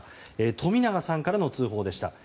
冨永さんからの通報でした。